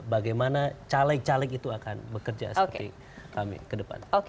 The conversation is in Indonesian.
bagaimana caleg caleg itu akan bekerja seperti kami kedepan